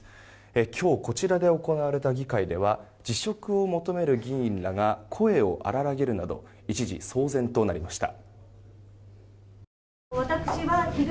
今日、こちらで行われた議会では辞職を求める議員らが声を荒らげるなど一時騒然となりました。